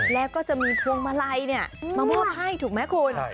แล้วก็จะมีพวงมาลัยเนี่ยมาว่าไพ่ถูกไหมคุณ